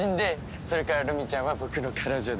それからルミちゃんは僕の彼女で。